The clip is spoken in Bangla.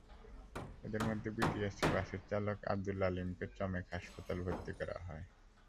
এঁদের মধ্যে বিআরটিসি বাসের চালক আবদুল আলিমকে চমেক হাসপাতালে ভর্তি করা হয়।